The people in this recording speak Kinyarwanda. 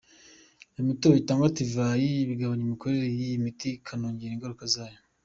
Imitobe cyangwa divayi bigabanya imikorere y’iyi miti ikanongera ingaruka zayo.